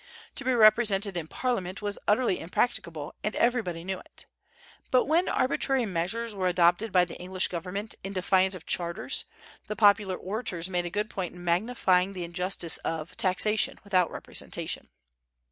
To be represented in Parliament was utterly impracticable, and everybody knew it. But when arbitrary measures were adopted by the English government, in defiance of charters, the popular orators made a good point in magnifying the injustice of "taxation without representation."